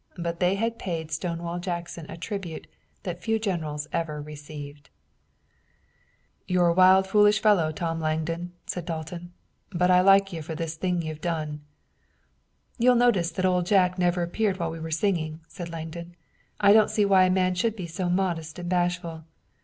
But they had paid Stonewall Jackson a tribute that few generals ever received. "You're a wild and foolish fellow, Tom Langdon," said Dalton, "but I like you for this thing you've done." "You'll notice that Old Jack never appeared while we were singing," said Langdon. "I don't see why a man should be so modest and bashful.